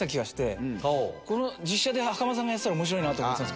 実写で袴田さんがやってたら面白いなと思ってた。